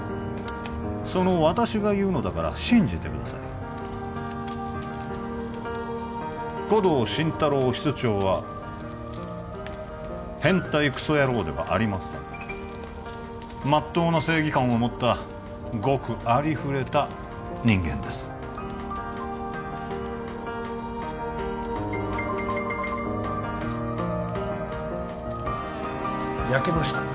その私が言うのだから信じてください護道心太朗室長は変態クソ野郎ではありませんまっとうな正義感を持ったごくありふれた人間です焼けました